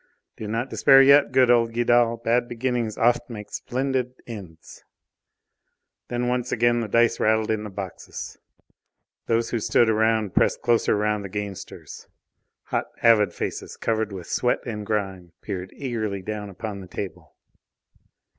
"Do not despair yet, good old Guidal! Bad beginnings oft make splendid ends!" Then once again the dice rattled in the boxes; those who stood around pressed closer round the gamesters; hot, avid faces, covered with sweat and grime, peered eagerly down upon the table.